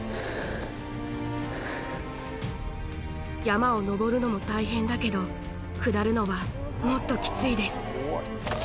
山を登るのも大変だけど下るのはもっときついです。